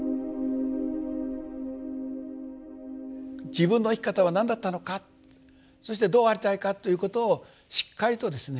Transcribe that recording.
自分の生き方は何だったのかそしてどうありたいかということをしっかりとですね